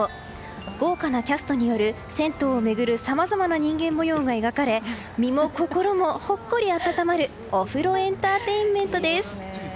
豪華なキャストによる銭湯を巡るさまざまな人間模様が描かれ身も心もほっこり温まる癒やされます。